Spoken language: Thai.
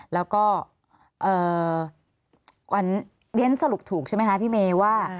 แล้วก็เรียนสรุปถูกใช่ไหมคะพี่เมย์ว่า